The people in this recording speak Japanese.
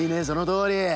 そのとおり！